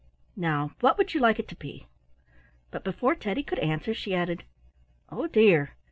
Now what would you like it to be?" But before Teddy could answer she added, "Oh dear!